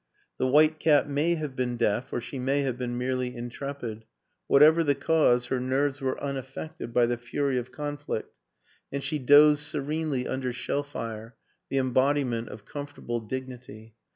The white cat may have been deaf, or she may have been merely intrepid; whatever the cause her nerves were unaffected by the fury of conflict and she dozed serenely under shell fire, the em bodiment of comfortable dignity.